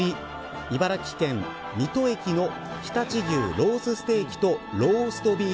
茨城県水戸駅の常陸牛ロースステーキとローストビーフ